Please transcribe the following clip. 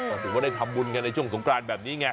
ก็ถือว่าได้ทำบุญกันในช่วงสงกรานแบบนี้ไง